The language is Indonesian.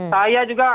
saya juga melaporkan